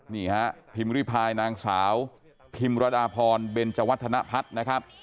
นี่ฮะพิมพ์ริพายนางสาวพิมรดาพรเบนเจวัฒนพัฒน์นะครับ